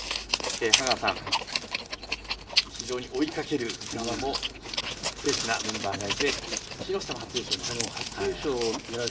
羽川さん、非常に追いかけるフレッシュなメンバーがいて木下も初優勝を狙う。